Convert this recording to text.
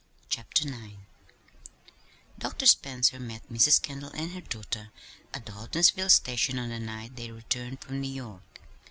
CHAPTER IX Dr. Spencer met Mrs. Kendall and her daughter at the Houghtonsville station on the night they returned from New York.